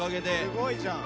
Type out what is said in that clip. すごいじゃん。